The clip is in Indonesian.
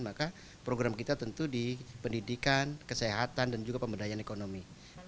maka program kita tentu di pendidikan kesehatan dan juga pemberdayaan ekonomi